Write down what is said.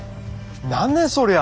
何ねそりゃ！